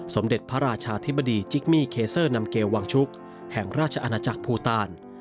สมเด็จพระราชาธิบดีจิกมี่เคเซอร์นำเกลวังชุกแห่งราชอาณาจักรภูตาล